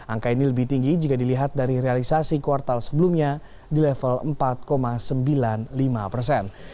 angka ini lebih tinggi jika dilihat dari realisasi kuartal sebelumnya di level empat sembilan puluh lima persen